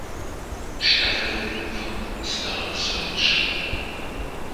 Staffel von Star Search.